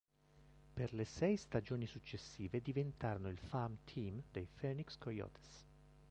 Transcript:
Per le sei stagioni successive diventarono il farm team dei Phoenix Coyotes.